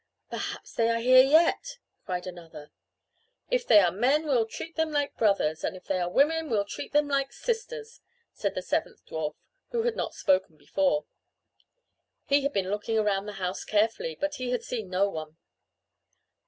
"Perhaps they are here yet!" cried another. "If they are men we'll treat them like brothers and if they are women we'll treat them like sisters," said the seventh dwarf who had not spoken before. He had been looking around the house carefully, but he had seen no one.